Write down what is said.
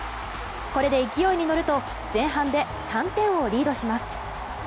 これで勢いに乗ると前半で３点をリードします。